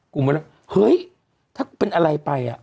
กูมาแล้วเฮ้ยถ้าเป็นอะไรไปอ่ะ